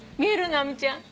直美ちゃん。